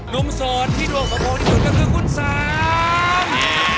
โสดที่ดวงสมโพที่สุดก็คือคุณสาม